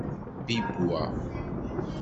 Bibb wa.